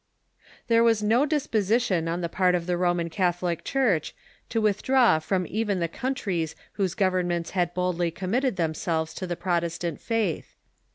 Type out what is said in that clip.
There was no disposition on the part of the Roman Catholic Church to withdraw from even the countries whose govern ments had boldly committed themselves to the Protestant faith.